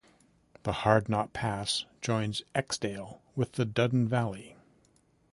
The Hardknott Pass joins Eskdale with the Duddon Valley.